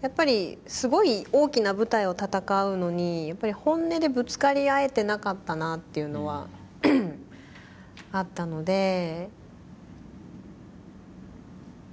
やっぱりすごい大きな舞台を戦うのにやっぱり本音でぶつかり合えてなかったなっていうのはあったので。